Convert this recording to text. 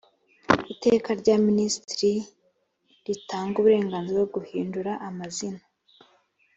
iiteka rya minisitiri ritanga uburenganzira bwo guhindura amazina